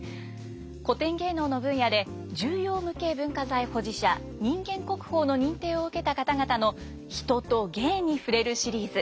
古典芸能の分野で重要無形文化財保持者人間国宝の認定を受けた方々の「人と芸」に触れるシリーズ。